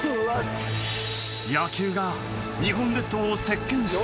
野球が日本列島を席巻した。